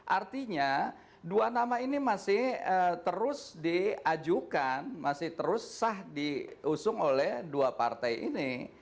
artinya dua nama ini masih terus diajukan masih terus sah diusung oleh dua partai ini